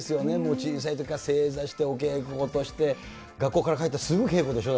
小さいときから正座して、お稽古して、学校から帰ったらすぐ稽古ですよね。